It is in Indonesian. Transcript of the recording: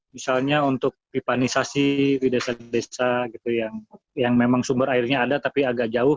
misalnya untuk pipanisasi di desa desa gitu yang memang sumber airnya ada tapi agak jauh